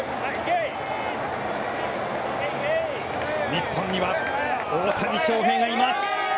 日本には大谷翔平がいます。